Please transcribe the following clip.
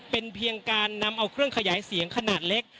เป็นเพียงการนำเอาเครื่องขยายเสียงขนาดเล็ก